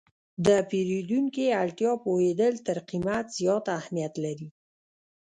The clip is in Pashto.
د پیرودونکي اړتیا پوهېدل تر قیمت زیات اهمیت لري.